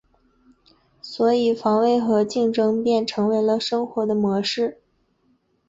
所以防卫和竞争便成为了生活的模式。